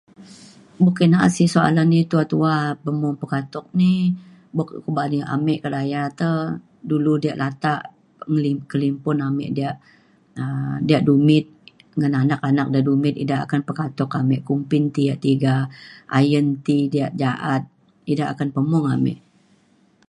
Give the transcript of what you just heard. boka ek naat sik soalan iu tua tua pemung pekatuk ni buk ko ba'an ame ka kedaya te dulu diak latak ngeli- kelimpun ame diak um diak dumit ngan anak anak da dumit ida akan pekatuk ame kumbin ti ia' tiga ayen ti diak ja'at ida akan pemung ame